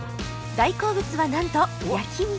大好物はなんと焼き肉